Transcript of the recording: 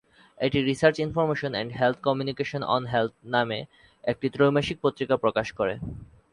এটি research information and health communication on health নামে একটি ত্রৈমাসিক পত্রিকা প্রকাশ করে।